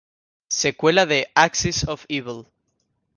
Secuela de "Axis Of Evil".